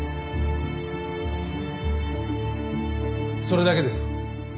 それだけですか？